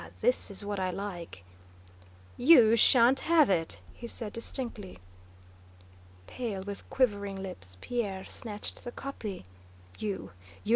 This is what I like!" "You shan't have it!" he said distinctly. Pale, with quivering lips, Pierre snatched the copy. "You...! you...